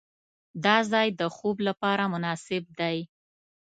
دا ځای د خوب لپاره مناسب دی.